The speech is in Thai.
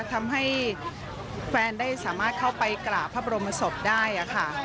ทำให้แฟนได้สามารถเข้าไปกราบพระบรมศพได้ค่ะ